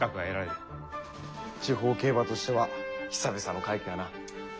地方競馬としては久々の快挙やな！